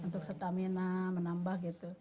untuk stamina menambah gitu